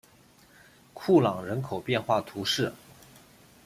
库朗人口变化图示